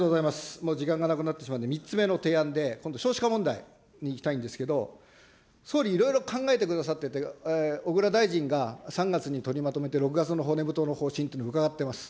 もう時間がなくなってしまうので、３つ目の提案で、今度、少子化問題にいきたいんですけど、総理、いろいろ考えてくださってて、小倉大臣が３月に取りまとめて６月の骨太の方針と伺っています。